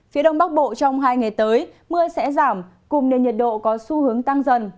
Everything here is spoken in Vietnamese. phía đông bắc bộ trong hai ngày tới mưa sẽ giảm cùng nền nhiệt độ có xu hướng tăng dần